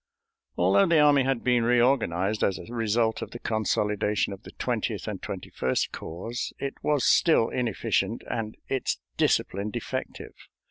Although the army had been reorganized as a result of the consolidation of the Twentieth and Twenty first Corps, it was still inefficient and its discipline defective.